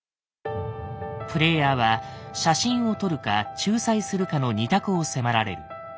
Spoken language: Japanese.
プレイヤーは写真を撮るか仲裁するかの２択を迫られる。